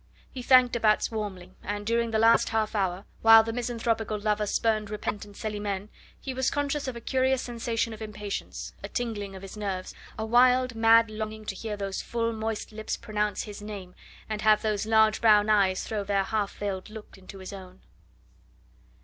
He thanked de Batz warmly, and during the last half hour, while the misanthropical lover spurned repentant Celimene, he was conscious of a curious sensation of impatience, a tingling of his nerves, a wild, mad longing to hear those full moist lips pronounce his name, and have those large brown eyes throw their half veiled look into his own.